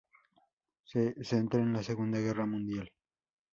Se centra en la Segunda Guerra Mundial.